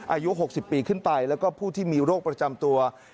อายุ๖๐ปีขึ้นไปแล้วก็ผู้ที่มีโรคประจำตัว